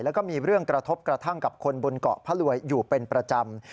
แล้วก็มีเรื่องกระทบกระทั่งกับคนบนเกาะพระรวยอยู่เป็นประจำ